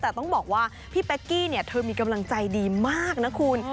แต่ต้องบอกว่าพี่เป๊กกี้เนี่ยเธอมีกำลังใจดีมากนะคุณ